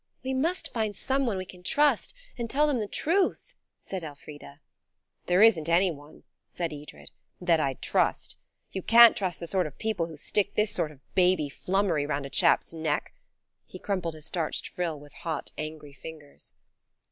"We must find some one we can trust, and tell them the truth," said Elfrida. "There isn't any one," said Edred, "that I'd trust. You can't trust the sort of people who stick this sort of baby flummery round a chap's neck. He crumpled his starched frill with hot, angry fingers.